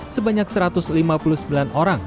sebanyak satu ratus lima puluh sembilan orang